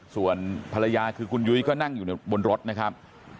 ส่วนภรรยาคือคุณยุ้ยก็นั่งอยู่บนรถนะครับ